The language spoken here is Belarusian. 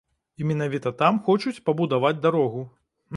І менавіта там хочуць пабудаваць дарогу.